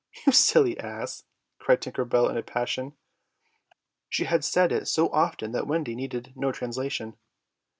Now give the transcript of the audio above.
"You silly ass!" cried Tinker Bell in a passion. She had said it so often that Wendy needed no translation.